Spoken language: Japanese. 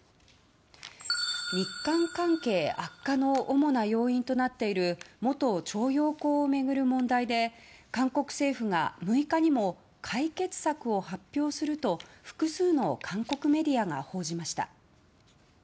日韓関係悪化の主な要因となっている元徴用工を巡る問題で韓国政府が６日にも解決策を発表すると複数の韓国メディアが報じました。